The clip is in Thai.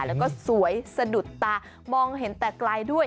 แล้วก็สวยสะดุดตามองเห็นแต่ไกลด้วย